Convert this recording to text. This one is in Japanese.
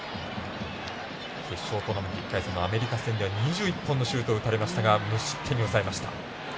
決勝トーナメントのアメリカ戦では２１本のシュートを打たれましたが無失点に抑えました。